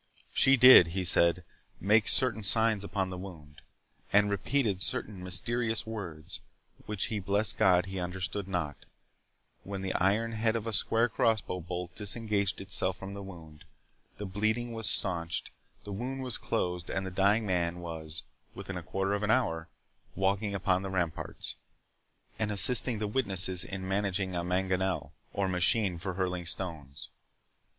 She did, he said, make certain signs upon the wound, and repeated certain mysterious words, which he blessed God he understood not, when the iron head of a square cross bow bolt disengaged itself from the wound, the bleeding was stanched, the wound was closed, and the dying man was, within a quarter of an hour, walking upon the ramparts, and assisting the witness in managing a mangonel, or machine for hurling stones.